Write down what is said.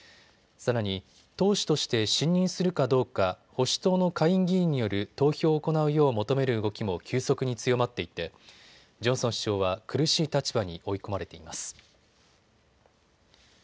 さらに党首として信任するかどうか保守党の下院議員による投票を行うよう求める動きも急速に強まっていてジョンソン首相は苦しい立場に追い込まれています。